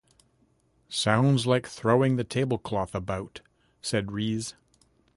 "Sounds like throwing the tablecloth about," said Rees.